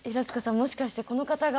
もしかしてこの方が？